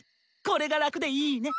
これが楽でいいネ！